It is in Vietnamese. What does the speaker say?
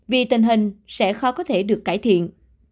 vì tình hình sẽ khó có thể được cải thiện